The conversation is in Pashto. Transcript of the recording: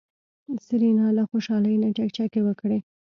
سېرېنا له خوشحالۍ نه چکچکې وکړې.